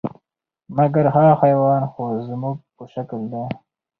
مګر هغه حیوان خو زموږ په شکل دی،